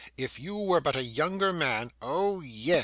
'If you were but a younger man ' 'Oh yes!